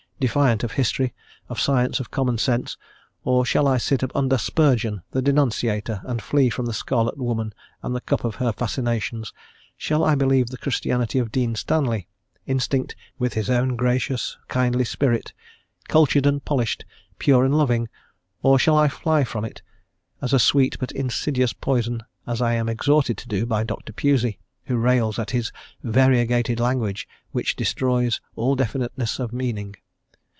defiant of history, of science, of common sense, or shall I sit under Spurgeon, the denunciator, and flee from the scarlet woman and the cup of her fascinations: shall I believe the Christianity of Dean Stanley, instinct with his own gracious, kindly spirit, cultured and polished, pure and loving, or shall I fly from it as a sweet but insidious poison, as I am exhorted to do by Dr. Pusey, who rails at his 'variegated language which destroys all definiteness of meaning.'